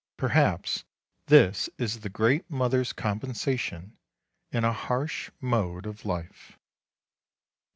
Perhaps this is the great Mother's compensation in a harsh mode of life.